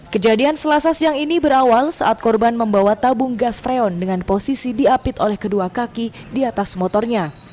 kejadian selasa siang ini berawal saat korban membawa tabung gas freon dengan posisi diapit oleh kedua kaki di atas motornya